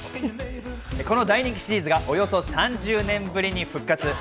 この大人気シリーズがおよそ３０年ぶりに復活。